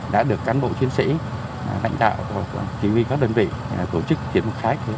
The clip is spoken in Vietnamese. đã được cán bộ chiến sĩ lãnh đạo và chỉ huy các đơn vị tổ chức triển khai